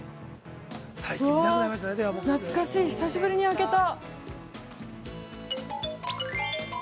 うわっ、懐かしい、久しぶりに開けた。